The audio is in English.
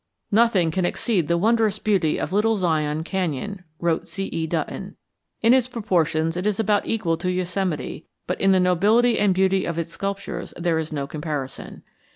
"Nothing can exceed the wondrous beauty of Little Zion Canyon," wrote C.E. Dutton. "In its proportions it is about equal to Yosemite, but in the nobility and beauty of its sculptures there is no comparison.